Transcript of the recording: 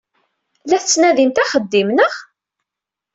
La tettnadimt axeddim, naɣ?